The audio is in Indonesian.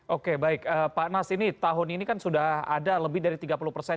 oke baik pak nas ini tahun ini kan sudah ada lebih dari tiga puluh persen